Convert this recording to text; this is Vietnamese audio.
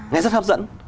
nghe rất hấp dẫn